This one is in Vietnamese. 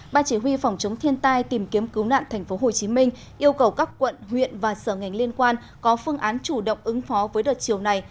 ban chỉ huy phòng chống thiên tai tìm kiếm cứu nạn tp hcm yêu cầu các quận huyện và sở ngành liên quan có phương án chủ động ứng phó với đợt chiều này